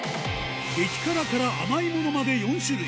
激辛から甘いものまで４種類。